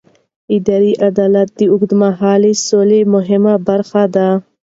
اداري عدالت د اوږدمهاله سولې مهمه برخه ده